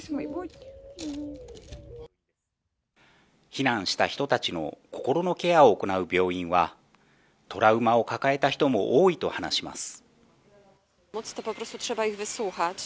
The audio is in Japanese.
避難した人たちの心のケアを行う病院はトラウマを抱えた人も多いと話します。